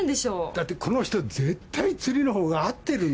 だってこの人絶対釣りのほうが合ってるんだって。